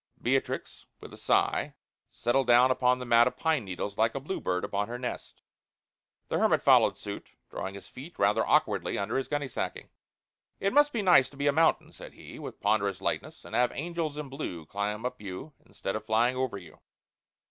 Beatrix, with a sigh, settled down upon the mat of pine needles like a bluebird upon her nest. The hermit followed suit; drawing his feet rather awkwardly under his gunny sacking. "It must be nice to be a mountain," said he, with ponderous lightness, "and have angels in blue climb up you instead of flying over you."